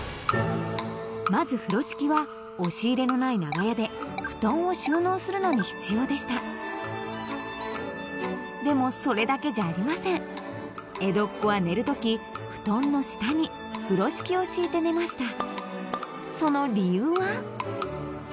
まず風呂敷は押し入れのない長屋で布団を収納するのに必要でしたでもそれだけじゃありません江戸っ子は寝る時布団の下に風呂敷を敷いて寝ました